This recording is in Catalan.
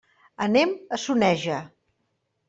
Anem a Soneja.